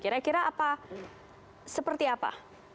kira kira seperti apa